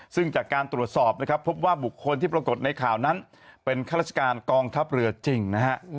ซึ่งจากการตรวจสอบนะครับพบว่าบุคคลที่ปรากฏในข่าวนั้นเป็นข้าราชการกองทัพเรือจริงนะฮะ